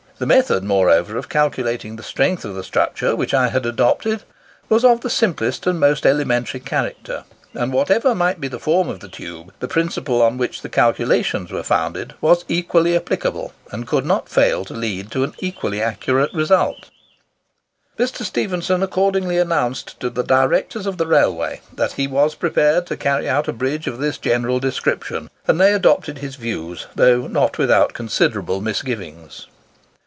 The method, moreover, of calculating the strength of the structure which I had adopted, was of the simplest and most elementary character; and whatever might be the form of the tube, the principle on which the calculations were founded was equally applicable, and could not fail to lead to equally accurate results." Mr. Stephenson accordingly announced to the directors of the railway that he was prepared to carry out a bridge of this general description, and they adopted his views, though not without considerable misgivings.